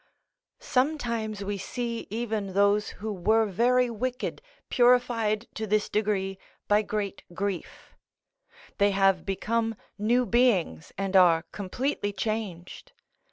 Sometimes we see even those who were very wicked purified to this degree by great grief; they have become new beings and are completely changed.